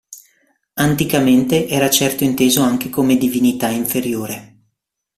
Anticamente era certo inteso anche come divinità inferiore.